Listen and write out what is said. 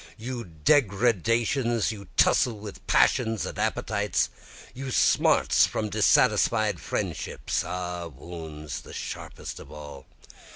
You degradations, you tussle with passions and appetites, You smarts from dissatisfied friendships, (ah wounds the sharpest of all!)